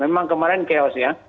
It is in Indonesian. memang kemarin chaos ya